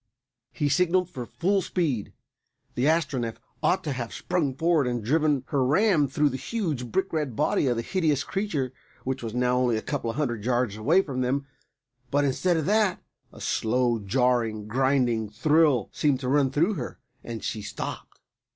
He signalled for full speed. The Astronef ought to have sprung forward and driven her ram through the huge, brick red body of the hideous creature which was now only a couple of hundred yards from them; but instead of that a slow, jarring, grinding thrill seemed to run through her, and she stopped.